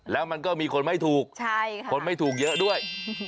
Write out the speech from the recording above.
แล้วมันก็มีคนไม่ถูกคนไม่ถูกเยอะด้วย